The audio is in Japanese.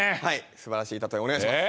素晴らしいたとえお願いします。